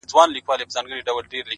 خپل احساسات د عقل په تله وتلئ